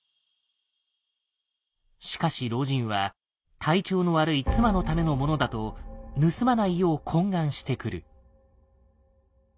しかし老人は体調の悪い妻のためのものだと盗まないよう懇願してくる。